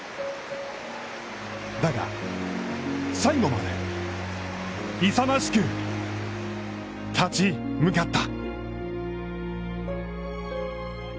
だが、最後まで勇ましく立ち向かった。